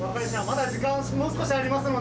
まだ時間もう少しありますので。